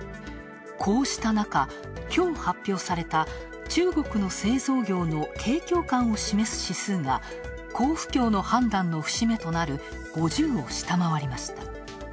こうした中、きょう発表された中国の製造業の景況感を示す指数が好不況の判断の節目となる５０を下回りました。